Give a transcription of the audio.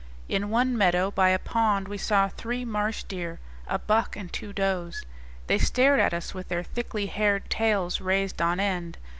In one meadow by a pond we saw three marsh deer, a buck and two does. They stared at us, with their thickly haired tails raised on end.